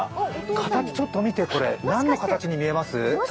形ちょっと見て何の形に見えます？